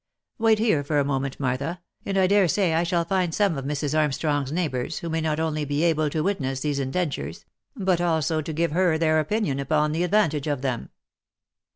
Wait here for a moment, Martha, and I dare say I shall find some of Mrs. Armstrong's neighbours who may not only be able to witness these indentures, but also to give her their opinion upon the advantage of them."